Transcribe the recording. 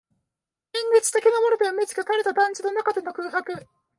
現実的なもので埋めつくされた団地の中での空白